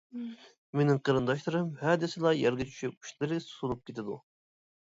مېنىڭ قېرىنداشلىرىم ھە دېسىلا يەرگە چۈشۈپ ئۇچلىرى سۇنۇپ كېتىدۇ.